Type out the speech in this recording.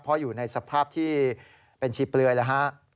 เพราะอยู่ในสภาพที่เป็นชีเปลือยแล้วฮะ